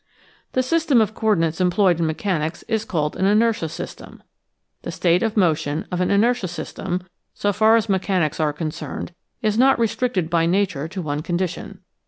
The system of coordinates employed in mechanics is called an inertia system. The state of motion of an inertia system, so far as mechanics are concerned, is not restricted by nature to one condition.